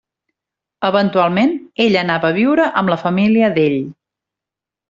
Eventualment, ella anava a viure amb la família d'ell.